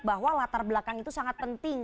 bahwa latar belakang itu sangat penting